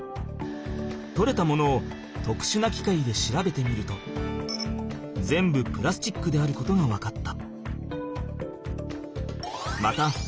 とれたものをとくしゅなきかいで調べてみると全部プラスチックであることが分かった。